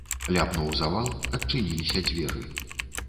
Ляпнуў завал, адчыніліся дзверы.